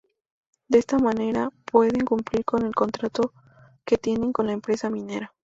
De esa manera pueden cumplir con el contrato que tienen con la empresa minera.